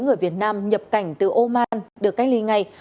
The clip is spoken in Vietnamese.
người việt nam nhập cảnh từ ô man được cách ly ngay